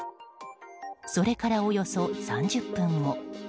それから、およそ３０分後。